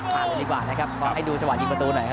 มาดีกว่านะครับให้ดูสวัสดีประตูหน่อยครับ